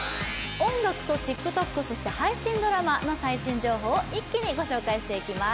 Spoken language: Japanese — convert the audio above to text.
音楽とＴｉｋＴｏｋ、そして配信ドラマの最新情報を一気にご紹介していきます。